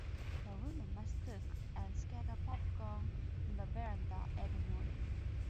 The woman must cook and scatter popcorn on the verandah every morning.